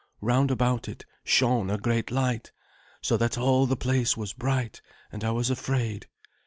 round about it shone a great light, so that all the place was bright, and I was afraid.